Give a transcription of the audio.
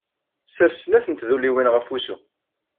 Ssers snat n tduliwin ɣef wusu.